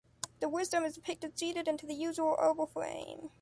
The “Wisdom” is depicted seated into the usual oval frame.